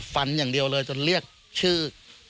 ฟันอย่างเดียวเลยจนเรียกชื่อ